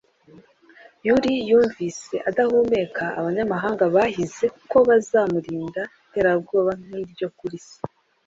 Yully yumvise, adahumeka, abanyamahanga bahize ko bazamurinda iterabwoba nk'iryo kuri se.